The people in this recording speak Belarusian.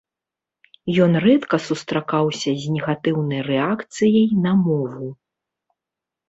Ён рэдка сустракаўся з негатыўнай рэакцыяй на мову.